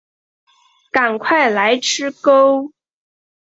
赶快来吃钩